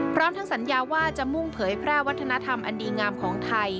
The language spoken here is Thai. พร้อมทั้งสัญญาว่าจะมุ่งเผยแพร่วัฒนธรรมอันดีงามของไทย